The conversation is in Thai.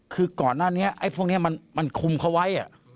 คือก่อนหน้านี้ไอ้พวกนี้มันคุมเขาไว้